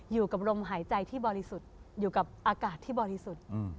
อยู่กับลมหายใจที่บริสุทธิ์อยู่กับอากาศที่บริสุทธิ์